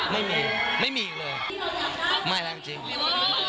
ไม่มีไม่มีอีกเลย